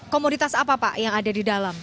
komoditas apa pak yang ada di dalam